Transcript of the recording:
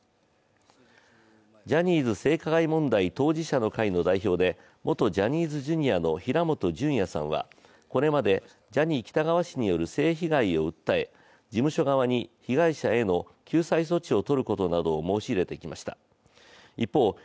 ジャニーズ性加害問題当事者の会の代表で元ジャニーズＪｒ．の平本淳也さんはこれまで、ジャニー喜多川氏による性被害を訴え、事務所側に被害者への救済措置を取ることなどを申し入れてきました。